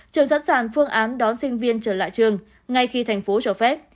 trường sát sản phương án đón sinh viên trở lại trường ngay khi thành phố cho phép